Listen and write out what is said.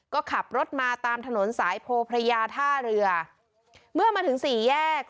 ก็ขับรถมาตามถนนสายโพพระยาท่าเรือเมื่อมาถึงสี่แยก